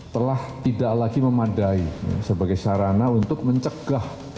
telah tidak lagi memadai sebagai sarana untuk mencegah